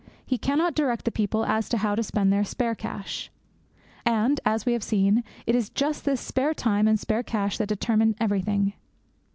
He cannot direct the people as to how to spend their spare cash. And, as we have seen, it is just this spare time and spare cash that determine everything.